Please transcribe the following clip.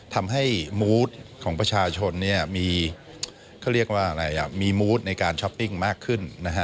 ทำให้มูธของประชาชนมีมูธในการช้อปปิ้งมากขึ้น